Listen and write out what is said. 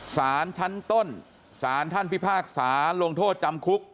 สารชั้นต้นสารท่านพิพากษาลงโทษจำคุก